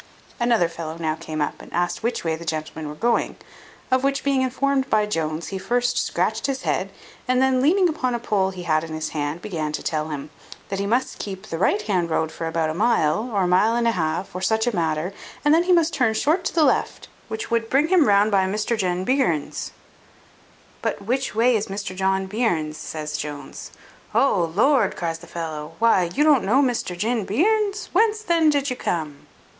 Another fellow now came up, and asked which way the gentlemen were going; of which being informed by Jones, he first scratched his head, and then leaning upon a pole he had in his hand, began to tell him, "That he must keep the right hand road for about a mile, or a mile and a half, or such a matter, and then he must turn short to the left, which would bring him round by Measter Jin Bearnes's." "But which is Mr John Bearnes's?" says Jones. "O Lord!" cries the fellow, "why, don't you know Measter Jin Bearnes? Whence then did you come?"